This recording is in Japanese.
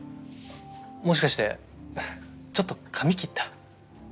もしかしてちょっと髪切った？